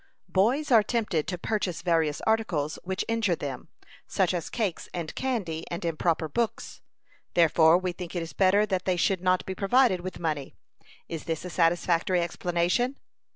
"Boys are tempted to purchase various articles which injure them, such as cakes and candy, and improper books. Therefore we think it is better that they should not be provided with money. Is this a satisfactory explanation?"